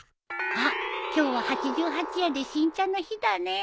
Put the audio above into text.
あっ今日は八十八夜で新茶の日だね。